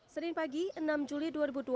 senin pagi enam juli dua ribu dua puluh